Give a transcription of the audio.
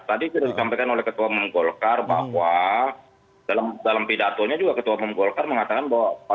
tadi sudah disampaikan oleh ketua menggolkar bahwa dalam pidatonya juga ketua menggolkar mengatakan bahwa